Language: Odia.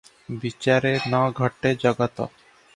ବିଚାରେ ନ ଘଟେ ଜଗତ।